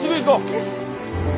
よし！